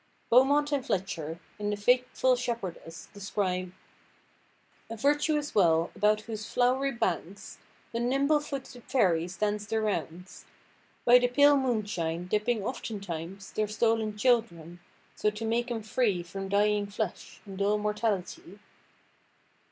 Beaumont and Fletcher, in The Faithful Shepherdess, describe— "A virtuous well, about whose flow'ry banks The nimble–footed fairies dance their rounds, By the pale moonshine, dipping oftentimes Their stolen children, so to make 'em free From dying flesh, and dull mortality."